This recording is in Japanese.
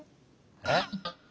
えっ。